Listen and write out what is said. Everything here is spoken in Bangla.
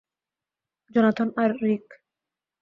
জোনাথন আর রিক!